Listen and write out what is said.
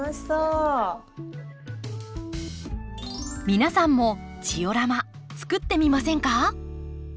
皆さんもジオラマ作ってみませんか？